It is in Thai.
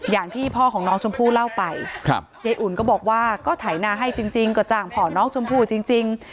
อย่างที่พ่อของน้องชมพู่เล่าไปยายอุ่นก็บอกว่าก็ไถนาให้จริงก็จ้างพ่อน้องชมพู่จริง